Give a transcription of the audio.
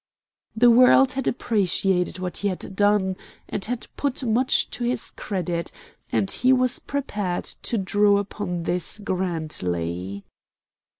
The world had appreciated what he had done, and had put much to his credit, and he was prepared to draw upon this grandly.